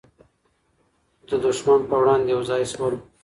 خو د دښمن په وړاندې یو ځای سول.